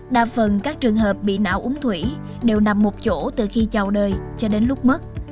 đa phần các trường hợp bị não úng thủy đều nằm một chỗ từ khi chào đời cho đến lúc mất